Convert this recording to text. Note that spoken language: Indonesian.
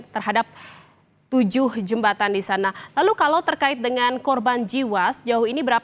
terhadap tujuh jembatan di sana lalu kalau terkait dengan korban jiwa sejauh ini